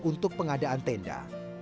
untuk pengadaan tenda